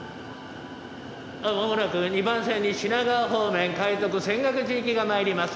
「間もなく２番線に品川方面・快特泉岳寺行きがまいります。